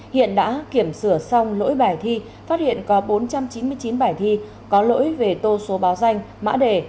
hiện đã kiểm sửa xong lỗi bài thi phát hiện có bốn trăm chín mươi chín bài thi có lỗi về tô số báo danh mã đề